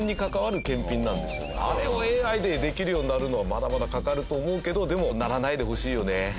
あれをＡＩでできるようになるのはまだまだかかると思うけどでもならないでほしいよね。